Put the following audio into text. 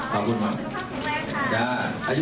ขอบคุณมาก